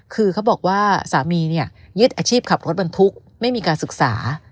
คือเขาบอกว่าสามีเนี่ยยึดอาชีพขับรถบรรทุกไม่มีการศึกษา